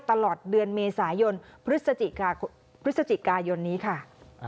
ตลอดเดือนเมษายนพฤศจิกายนพฤศจิกายนนี้ค่ะ